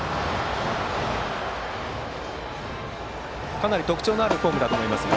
かなり特徴のあるフォームだと思いますが。